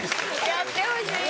やってほしい。